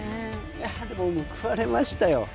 でも、報われましたよ。